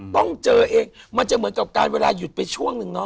ต้องเจอเองมันจะเหมือนกับการเวลาหยุดไปช่วงนึงเนาะ